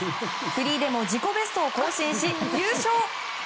フリーでも自己ベストを更新し優勝！